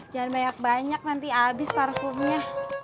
jangan banyak banyak nanti habis parfumnya